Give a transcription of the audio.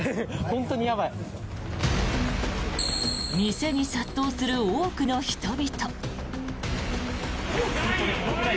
店に殺到する多くの人々。